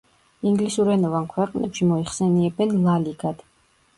ინგლისურენოვან ქვეყნებში მოიხსენიებენ ლა ლიგად.